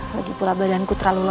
lagipula badanku terlalu lelah